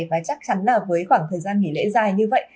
và chắc chắn là với khoảng thời gian nghỉ lễ dài như vậy